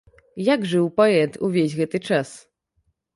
Як жыў паэт увесь гэты час?